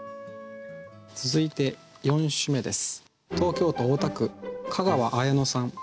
続いて４首目です。